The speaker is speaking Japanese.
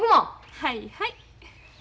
はいはい。